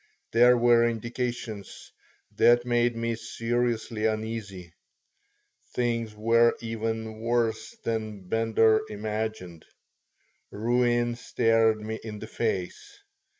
There were indications that made me seriously uneasy. Things were even worse than Bender imagined. Ruin stared me in the face.